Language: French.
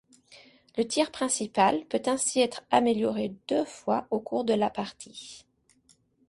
Le tir principal peut ainsi être amélioré deux fois au cours de la partie.